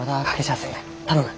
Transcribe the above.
頼む。